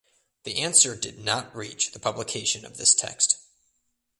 The answer did not reach the publication of this text.